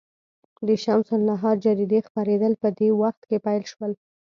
د شمس النهار جریدې خپرېدل په دې وخت کې پیل شول.